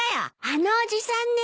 あのおじさんね。